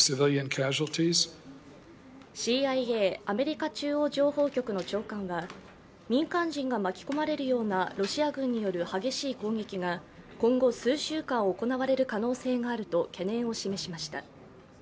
ＣＩＡ＝アメリカ中央情報局の長官は、民間人が巻き込まれるようなロシア軍による激しい攻撃が今後、数週間行われる可能性があると懸念を示しました。